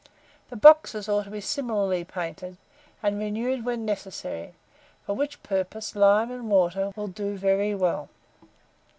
The boxes ought also to be similarly painted, and renewed when necessary, for which purpose lime and water will do very well.